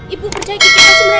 ibu berjaya gitu